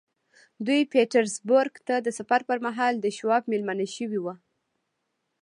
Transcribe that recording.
دوی پيټرزبورګ ته د سفر پر مهال د شواب مېلمانه شوي وو.